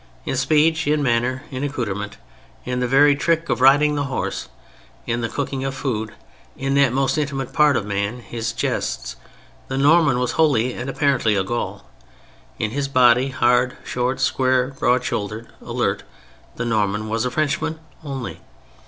In speech, in manner, in accoutrement, in the very trick of riding the horse, in the cooking of food, in that most intimate part of man, his jests, the Norman was wholly and apparently a Gaul. In his body—hard, short, square, broad shouldered, alert—the Norman was a Frenchman only.